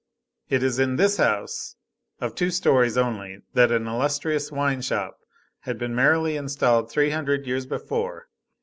It is in this house, of two stories only, that an illustrious wine shop had been merrily installed three hundred years before.